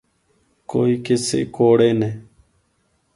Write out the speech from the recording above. کوئی قصے کوڑے نے۔